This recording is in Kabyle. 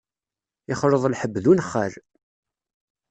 Yexleḍ lḥeb d unexxal.